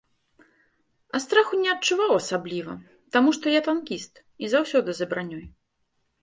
А страху не адчуваў асабліва, таму што я танкіст і заўсёды за бранёй.